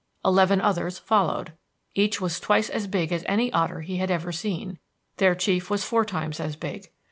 Eleven others followed. Each was twice as big as any otter he had ever seen; their chief was four times as big.